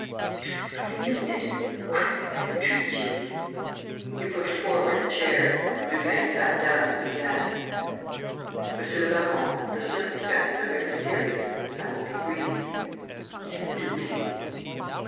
"Do you really mean it? Quick, I entreat you...." He pushed forward a chair. Lupin sat down and began: "Monsieur le baron, the circumstances are very serious. I will be brief." "Yes, do, please."